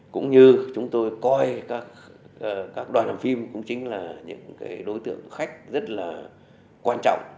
cũng như chúng tôi coi các đoàn làm phim cũng chính là những đối tượng khách rất là quan trọng